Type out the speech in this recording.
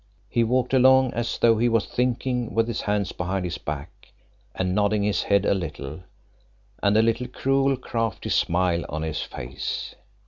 He walked along as though he was thinking, with his hands behind his back, and nodding his head a little, and a little cruel, crafty smile on his face.